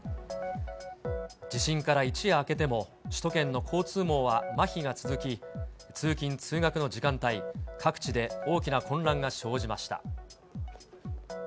地震から一夜明けても、首都圏の交通網はまひが続き、通勤・通学の時間帯、各地で大きな混乱が生じました。